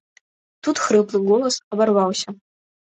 Тут хрыплы голас абарваўся.